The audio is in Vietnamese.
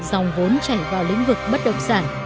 dòng vốn chảy vào lĩnh vực bất động sản